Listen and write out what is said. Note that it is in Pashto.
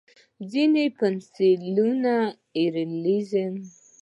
ځینې پنسلونه ایریزر لري، ځینې یې نه لري.